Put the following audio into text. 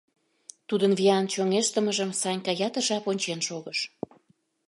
Тудын виян чоҥештымыжым Санька ятыр жап ончен шогыш.